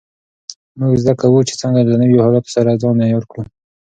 موږ زده کوو چې څنګه له نویو حالاتو سره ځان عیار کړو.